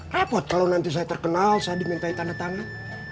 rapat kalau nanti saya terkenal saya dimintai tanda tangan